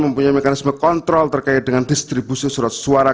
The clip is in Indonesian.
mempunyai mekanisme kontrol terkait dengan distribusi surat suara